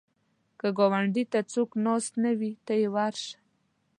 که ګاونډي ته څوک ناست نه وي، ته یې ورشه